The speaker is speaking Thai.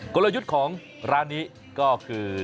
กลยุทธ์ของร้านนี้ก็คือ